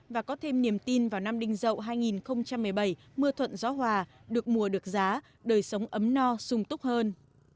và có thêm niềm tin vào năm đinh dậu hai nghìn một mươi bảy mưa thuận gió hòa được mùa được giá đời sống ấm no sung túc hơn